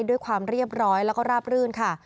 ด้วยความเรียบร้อยแล้วก็ราบรื่นค่ะ